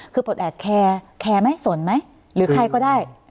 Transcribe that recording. คือปลดแอบแคร์แคร์ไหมสนไหมหรือใครก็ได้